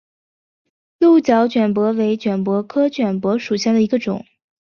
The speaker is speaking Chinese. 鹿角卷柏为卷柏科卷柏属下的一个种。